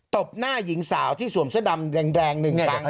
บหน้าหญิงสาวที่สวมเสื้อดำแดงหนึ่ง